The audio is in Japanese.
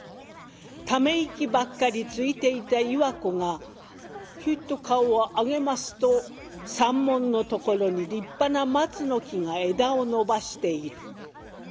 ため息ばっかりついていた岩子がひょいと顔を上げますと山門のところに立派な松の木が枝を伸ばしている。